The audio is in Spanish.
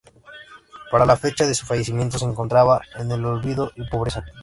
Para la fecha de su fallecimiento se encontraba en el olvido y pobreza.